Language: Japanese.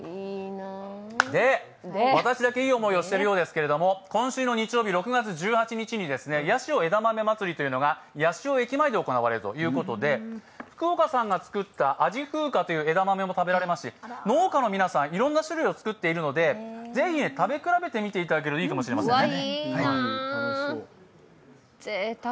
で、私だけいい思いしてるようですけれども今週の日曜日、６月１８日にやしお枝豆まつりというのが八潮駅前で行われるということで、福岡さんが作った味風香という枝豆も食べられますし農家の皆さん、いろんな種類を作っているのでぜひ食べ比べてみていただくといいかもしれませんね。